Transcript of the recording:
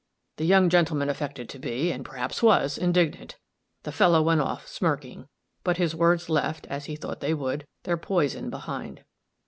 The young gentleman affected to be, and perhaps was, indignant. The fellow went off, smirking; but his words left, as he thought they would, their poison behind.